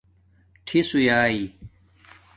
ٹھس ہویئئ